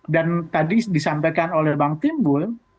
dan tadi disampaikan oleh bang timbul